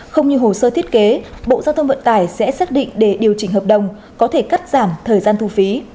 không như hồ sơ thiết kế bộ giao thông vận tải sẽ xác định để điều chỉnh hợp đồng có thể cắt giảm thời gian thu phí